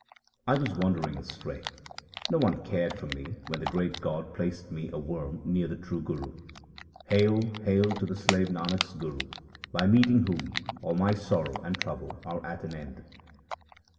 1 was wandering astray ; no one cared for me when the great God placed me a worm near the true Guru. Hail ! hail to the slave Nanak's Guru, by meeting whom all my sorrow and trouble are at an end.